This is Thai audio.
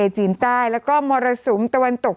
กรมป้องกันแล้วก็บรรเทาสาธารณภัยนะคะ